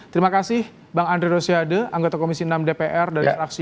terima kasih bang andre rosiade anggota komisi enam dpr dari fraksi